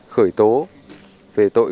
khởi tố về tội